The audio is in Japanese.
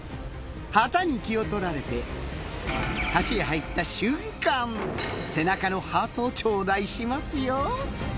旗に気を取られて橋へ入った瞬間背中のハートを頂戴しますよ！